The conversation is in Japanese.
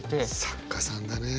作家さんだね。